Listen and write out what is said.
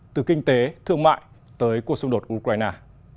từ kinh tế thương mại tới cuộc xung đột ukraine